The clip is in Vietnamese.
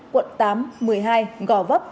quận tám một mươi hai gò vấp